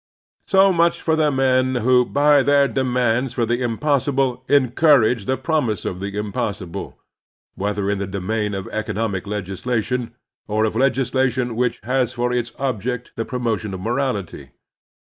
So much for the men who by their demands for the impossible encourage the promise of the impossible, whether in the domain of economic Promise and Performance 143 legislation or of legislation which has for its object the promotion of morality.